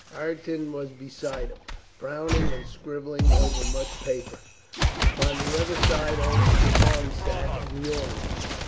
Ireton was be side him, frowning and scribbling over much paper. Upon the other side old Skippon sat and yawned.